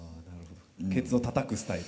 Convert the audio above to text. ケツをたたくスタイルで。